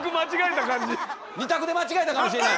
２択で間違えたかもしれない。